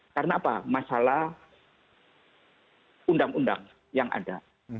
karena apa masalah undang undang yang ada